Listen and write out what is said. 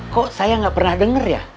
kok saya gak pernah dengar ya